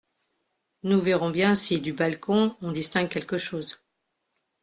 Nous verrons bien si, du balcon, on distingue quelque chose.